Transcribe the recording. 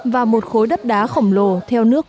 và một khối đất đá khổng lồ theo nước